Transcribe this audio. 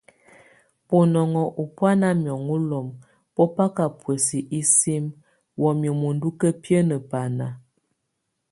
Bonɔŋ o bʼ ó na miaŋó lom, bó baka buɛs isim wamía muendu kabiene baná.